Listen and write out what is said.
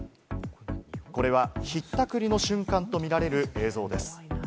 これは、ひったくりの瞬間と見られる映像です。